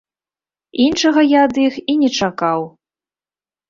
Іншага я ад іх і не чакаў.